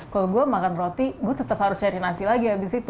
kalau gue makan roti gue tetap harus cari nasi lagi abis itu